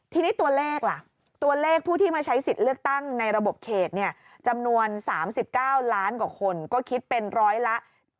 ทีนี้ตัวเลขล่ะตัวเลขผู้ที่มาใช้สิทธิ์เลือกตั้งในระบบเขตจำนวน๓๙ล้านกว่าคนก็คิดเป็นร้อยละ